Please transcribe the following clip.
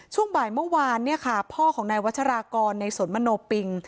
ช่วงบ่ายเมื่อวานเนี่ยค่ะพ่อของนายวัชรากรในสนมโนปิง